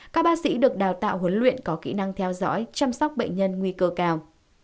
các bác sĩ được đào tạo huấn luyện có kỹ năng theo dõi chăm sóc bệnh nhân nguy cơ cao